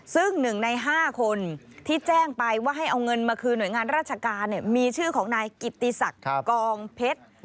ซึ่ง๑ใน๕คนที่แจ้งไปว่าให้เอาเงินมาคืนหน่วยงานราชการมีชื่อของนายกิตติศักดิ์กองเพชร